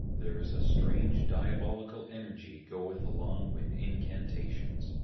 There is a strange Diabolical Energy goeth along with Incantations.